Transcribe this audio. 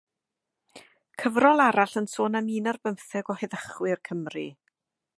Cyfrol arall yn sôn am un ar bymtheg o heddychwyr Cymru.